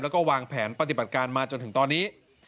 แล้วก็วางแผนปฏิบัติการมาจนถึงตอนนี้